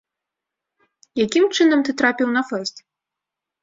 Якім чынам ты трапіў на фэст?